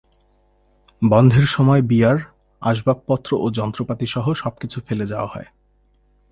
বন্ধের সময় বিয়ার, আসবাবপত্র ও যন্ত্রপাতিসহ সবকিছু ফেলে যাওয়া হয়।